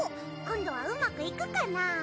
今度はうまくいくかな？